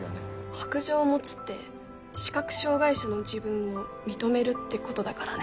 白杖持つって視覚障がい者の自分を認めるってことだからね。